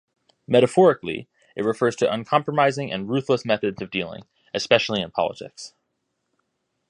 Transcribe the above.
Metaphorically, it refers to uncompromising and ruthless methods or dealings, especially in politics.